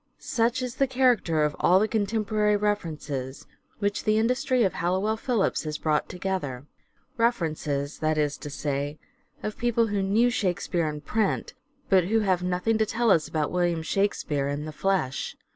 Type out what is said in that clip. Such is the character of all the contemporary references which the industry of Halliwell Phillipps has brought together : references, that is to say, of people who knew " Shakespeare " in print, but who have nothing to tell us about William Shakspere in the flesh.